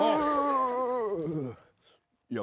いや。